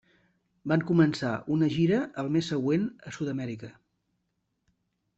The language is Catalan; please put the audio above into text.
Van començar una gira el mes següent a Sud-amèrica.